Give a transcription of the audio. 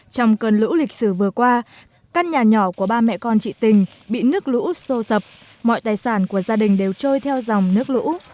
trong cơn lũ lịch sử vừa qua căn nhà nhỏ của ba mẹ con chị tình bị nước lũ sô sập mọi tài sản của gia đình đều trôi theo dòng nước lũ